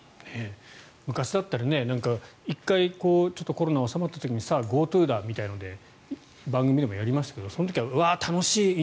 昔だったら１回、コロナが収まった時にさあ、ＧｏＴｏだみたいなので番組でもやりましたがその時は、いいね、楽しい